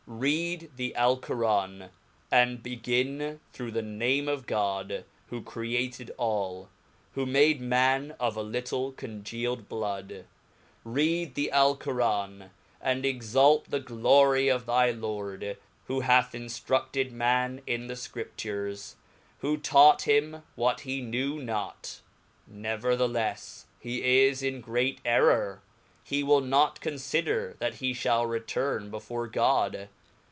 Read the jL^lceran^ and begin through tlie name of God, who crea ted all, who made man of a little congealed blood. Read the <i^lcoran^2ind exalt the glory of thy Lord, who hath inilruded man in the Scriptures, who taught him what he knew not*; ne verthcleffe, he is in a great errour, he will not 'confide r that liefirall return before God.